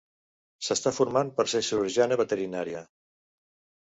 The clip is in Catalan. S'està formant per ser cirurgiana veterinària.